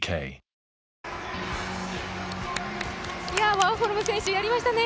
ワーホルム選手、やりましたね。